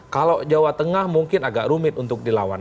kalau jawa tengah mungkin agak rumit untuk dilawan